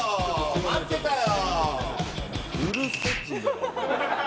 待ってたよ。